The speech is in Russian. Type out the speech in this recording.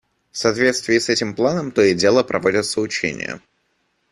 В соответствии с этим планом то и дело проводятся учения.